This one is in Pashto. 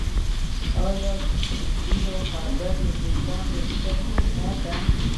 آیا د سپین ږیرو خبره د کاڼي کرښه نه ده؟